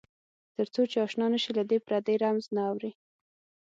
تر څو چې آشنا نه شې له دې پردې رمز نه اورې.